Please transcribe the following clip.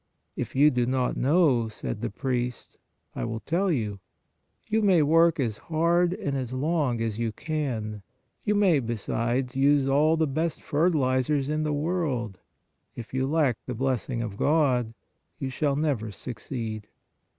"If you do not know," said the priest, " I will tell you. You may work as hard and as long as you can, you may, besides, use all the best fertilizers in the world, if you lack the blessing of God, you shall never suc ceed.